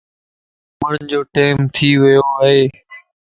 سمھڻ جو ٽيم ٿي ويو ائي